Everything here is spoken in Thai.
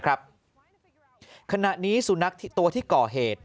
ขณะนี้สุนัขที่ตัวที่ก่อเหตุ